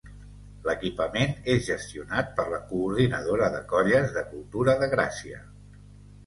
L’equipament és gestionat per la Coordinadora de colles de cultura de Gràcia.